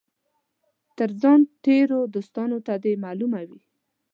تر ځان تېرو دوستانو ته دي معلومه وي.